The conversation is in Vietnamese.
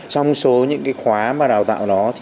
trong số những khóa đào tạo đó